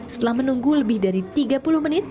setelah menunggu lebih dari tiga puluh menit